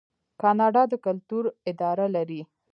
کاناډا د کلتور اداره لري.